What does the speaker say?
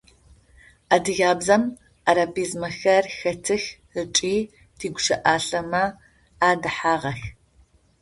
Адыгабзэм арабизмэхэр хэтых ыкӏи тигущыӏалъэмэ адэхьагъэх.